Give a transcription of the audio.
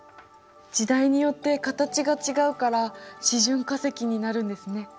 時代によって形が違うから示準化石になるんですね。